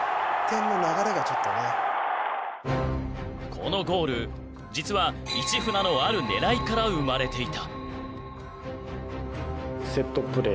このゴール実は市船のある狙いから生まれていた。